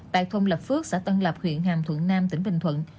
tại thôn lập phước xã tân lập huyện hàm thuận nam tỉnh bình thuận